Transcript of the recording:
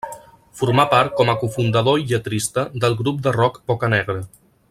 Formà part, com a cofundador i lletrista, del grup de rock Bocanegra.